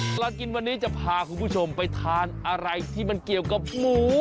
ตลอดกินวันนี้จะพาคุณผู้ชมไปทานอะไรที่มันเกี่ยวกับหมู